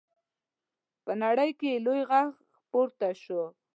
په نړۍ کې یې لوی غږ پورته شو.